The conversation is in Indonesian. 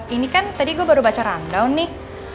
ini kan tadi gue baru baca rundown nih